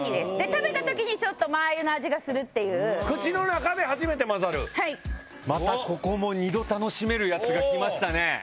食べた時にちょっとマー油の味がするっていう口の中で初めて混ざるはいまたここも２度楽しめるやつが来ましたね